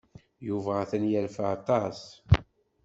Yuba atan yerfa aṭas.